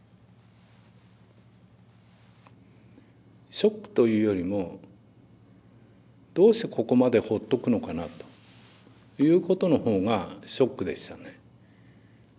ショックというよりもどうしてここまでほっとくのかなということのほうがショックでしたね。